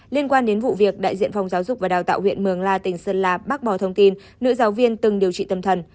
liên quan đến vụ việc đại diện phòng giáo dục và đào tạo huyện mường la tỉnh sơn la bác bỏ thông tin nữ giáo viên từng điều trị tâm thần